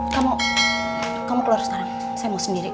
kamu kamu keluar sekarang saya mau sendiri